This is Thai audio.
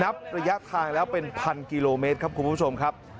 ระยะทางแล้วเป็นพันกิโลเมตรครับคุณผู้ชมครับ